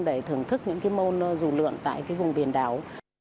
để thưởng thức những môn dù lượng tại vùng biển đảo